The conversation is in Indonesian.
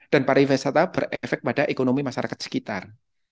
dan pariwisata berefek pada ekonomi masyarakat sekitar